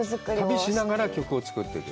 旅しながら曲を作っている？